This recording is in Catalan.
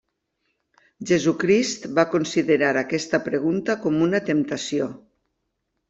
Jesucrist va considerar aquesta pregunta com una temptació.